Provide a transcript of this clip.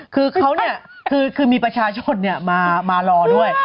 คือเขาเนี่ยคือมีประชาชนมารอด้วย